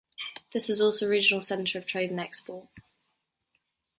This was also a regional center of Trade and Export.